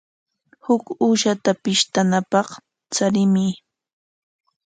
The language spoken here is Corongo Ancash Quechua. Huk uushata pishtanapaq charimuy.